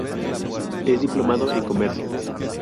Es diplomado en Comercio.